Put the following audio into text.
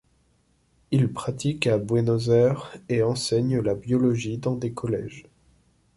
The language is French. Il pratique à Buenos Aires et enseigne la biologie dans des collèges.